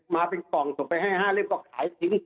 มาเป็นกล่องส่งไปให้๕เล่มก็ขายทิ้ง